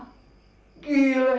hai sampai pagi deh